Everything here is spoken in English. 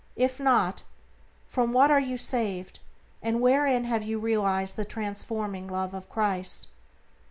If not, from what are you saved, and wherein have you realized the transforming Love of Christ?